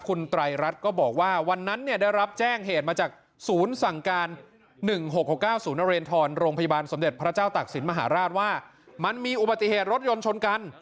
คุณไตรรัฐก็บอกว่าวันนั้นเนี่ยได้รับแจ้งเหตุมาจากศูนย์สั่งการ๑๖๖๙๐นเรนทรโรงพยาบาลสมเด็จพระเจ้าตักศิลปมหาราชว่ามันมีอุบัติเหตุรถยนต์ชนกัน